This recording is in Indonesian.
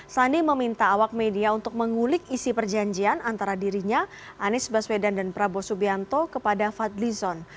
sandi meminta awak media untuk mengulik isi perjanjian antara dirinya anies baswedan dan prabowo subianto kepada fadli zon